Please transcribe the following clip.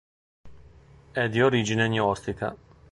È di origine gnostica.